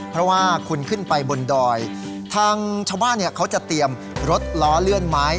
เพราะว่าคุณขึ้นไปบนดอยทางชาวบ้านเขาจะเตรียมรถล้อเลื่อนไม้